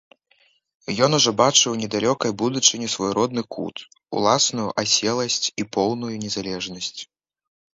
Ён ужо бачыў у недалёкай будучыні свой родны кут, уласную аселасць і поўную незалежнасць.